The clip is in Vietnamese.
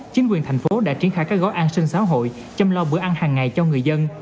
chính quyền thành phố đã triển khai các gói an sinh xã hội chăm lo bữa ăn hàng ngày cho người dân